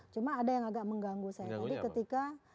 cuma ada yang agak mengganggu saya tadi ketika